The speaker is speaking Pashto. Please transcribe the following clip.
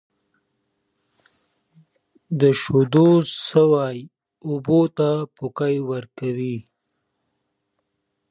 د کرنیزې بیمې سیستم نشته.